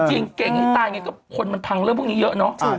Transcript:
จริงแกงง่ายตายอย่างนี้ก็คนมันทังเลิกพวกนี้เยอะเนอะ